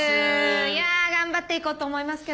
いや頑張っていこうと思いますけどね。